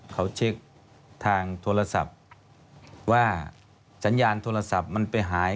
เขาเช็คทางโทรศัพท์ว่าสัญญาณโทรศัพท์มันไปหาย